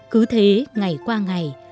cứ thế ngày qua ngày